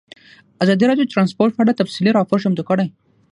ازادي راډیو د ترانسپورټ په اړه تفصیلي راپور چمتو کړی.